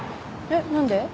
えっ何で？